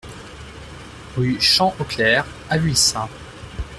Rue Champ au Clerc à Vuillecin